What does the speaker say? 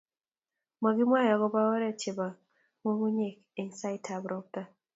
magimwae agoba oret chebo nyungunyeek eng saitab ropta